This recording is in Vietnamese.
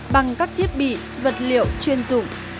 bằng các thiết bị vật liệu chuyên dụng